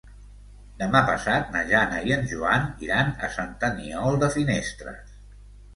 Demà passat na Jana i en Joan iran a Sant Aniol de Finestres.